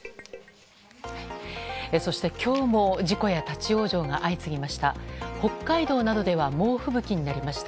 そして今日も事故や立ち往生が相次ぎました。